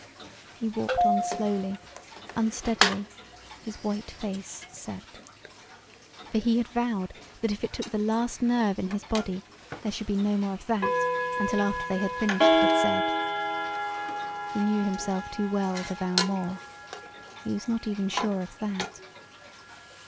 He walked on slowly, unsteadily, his white face set. For he had vowed that if it took the last nerve in his body there should be no more of that until after they had finished with Z. He knew himself too well to vow more. He was not even sure of that.